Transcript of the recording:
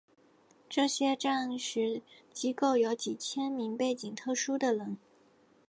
这些战时机构有几千名背景特殊的人。